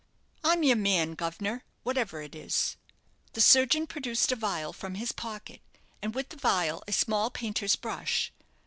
"I'm your man, guv'nor, whatever it is." The surgeon produced a phial from his pocket, and with the phial a small painters' brush.